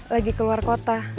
lagi keluar kota